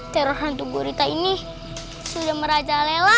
teror hantu gurita ini sudah merajalela